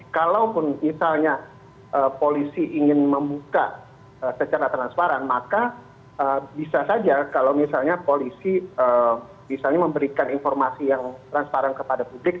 kalaupun misalnya polisi ingin membuka secara transparan maka bisa saja kalau misalnya polisi misalnya memberikan informasi yang transparan kepada publik